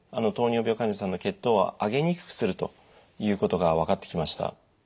糖尿病患者さんの血糖を上げにくくするということが分かってきました。